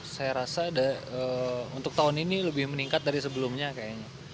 saya rasa untuk tahun ini lebih meningkat dari sebelumnya kayaknya